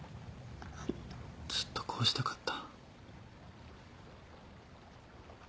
ずっとこうしたかった。